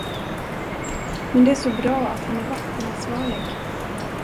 Men det är så bra att han är vattenansvarig.